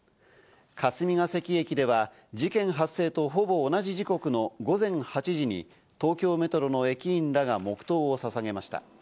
霞ケ関駅では事件発生とほぼ同じ時刻の午前８時に東京メトロの駅員らが黙祷をささげました。